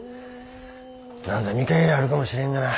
なんぞ見返りあるかもしれんがな。